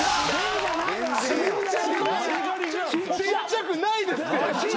ちっちゃくないですって！